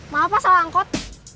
maaf ah salah angkot